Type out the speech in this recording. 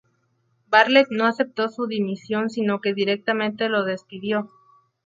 Bartlet no aceptó su dimisión sino que directamente lo despidió.